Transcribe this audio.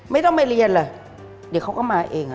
ไม่ต้องไปเรียนเลยเดี๋ยวเขาก็มาเอง